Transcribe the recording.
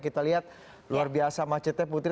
kita lihat luar biasa macetnya putih